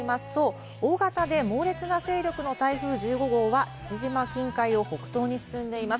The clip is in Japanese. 大型で猛烈な勢力の台風１５号は父島近海を北東に進んでいます。